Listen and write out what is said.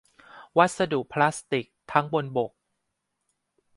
วัสดุพลาสติก ทั้งบนบก